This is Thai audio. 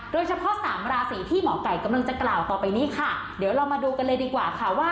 สามราศีที่หมอไก่กำลังจะกล่าวต่อไปนี้ค่ะเดี๋ยวเรามาดูกันเลยดีกว่าค่ะว่า